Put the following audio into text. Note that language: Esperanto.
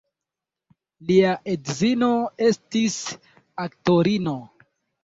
Lia edzino estis aktorino.